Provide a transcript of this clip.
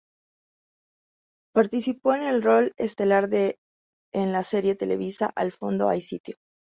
Participó en el rol estelar de en la serie televisiva "Al fondo hay sitio".